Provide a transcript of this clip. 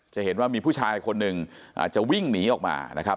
จะเห็นว่ามีผู้ชายคนหนึ่งจะวิ่งหนีออกมานะครับ